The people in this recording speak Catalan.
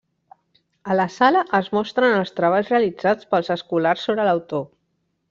A la sala es mostren els treballs realitzats pels escolars sobre l'autor.